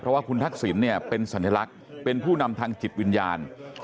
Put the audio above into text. เพราะว่าคุณทักษิณเป็นสัญลักษณ์เป็นผู้นำทางจิตวิญญาณ